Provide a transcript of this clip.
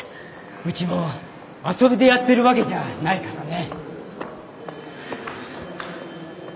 うちも遊びでやってるわけじゃないからね。